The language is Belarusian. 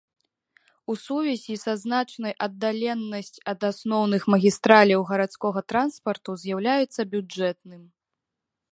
У сувязі са значнай аддаленасць ад асноўных магістраляў гарадскога транспарту з'яўляецца бюджэтным.